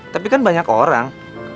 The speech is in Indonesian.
tapi kan banyak orang